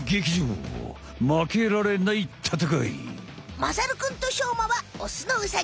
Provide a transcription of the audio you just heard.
まさるくんとしょうまはオスのウサギ。